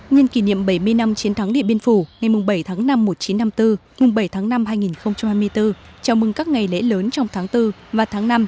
nhân kỷ niệm bảy mươi năm chiến thắng điện biên phủ ngày bảy tháng năm một nghìn chín trăm năm mươi bốn bảy tháng năm hai nghìn hai mươi bốn chào mừng các ngày lễ lớn trong tháng bốn và tháng năm